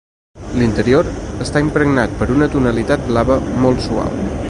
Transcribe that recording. L'interior està impregnat per una tonalitat blava, molt suau.